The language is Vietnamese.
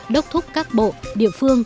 đốc thúc các bộ địa phương